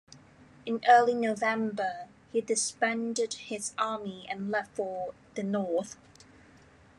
In early November he disbanded his army and left for the north.